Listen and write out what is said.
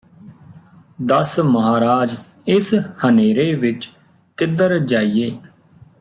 ਦੱਸ ਮਹਾਰਾਜ ਏਸ ਹਨ੍ਹੇਰੇ ਵਿੱਚ ਕਿੱਧਰ ਜਾਈਏ